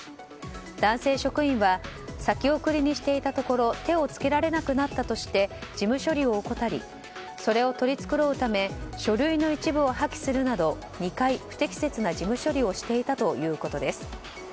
男性職員は先送りにしていたところ手を付けられなくなったとして事務処理を怠りそれを取り繕うため書類の一部を破棄するなど２回、不適切な事務処理をしていたということです。